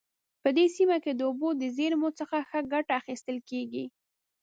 په دې سیمه کې د اوبو د زیرمو څخه ښه ګټه اخیستل کیږي